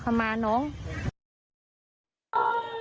พยาบาลก็พูดไม่ดี